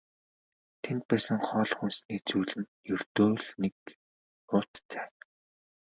Тэнд байсан хоол хүнсний зүйл нь ердөө л нэг уут цай.